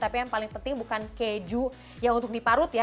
tapi yang paling penting bukan keju yang untuk diparut ya